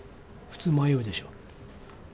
普通迷うでしょ。